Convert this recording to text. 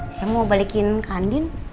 saya mau balikin ke andin